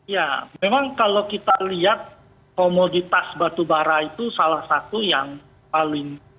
ya memang kalau kita lihat komoditas batubara itu salah satu yang paling